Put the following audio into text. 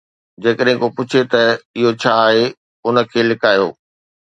جيڪڏهن ڪو پڇي ته اهو ڇا آهي، ان کي نه لڪايو